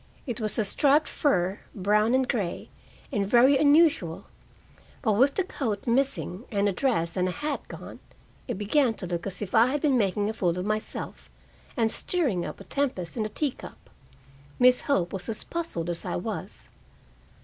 It was a striped fur, brown and gray, and very unusual. But with the coat missing, and a dress and hat gone, it began to look as if I had been making a fool of myself, and stirring up a tempest in a teacup. Miss Hope was as puzzled as I was.